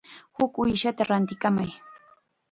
Huk uushata rantikamay.